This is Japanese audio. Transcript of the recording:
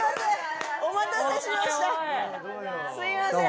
すいません。